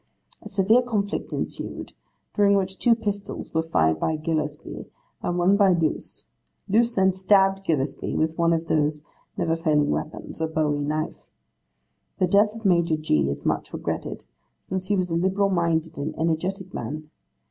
A severe conflict ensued, during which two pistols were fired by Gillespie and one by Loose. Loose then stabbed Gillespie with one of those never failing weapons, a bowie knife. The death of Major G. is much regretted, as he was a liberal minded and energetic man.